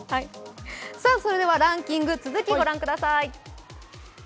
それではランキング、続きご覧ください。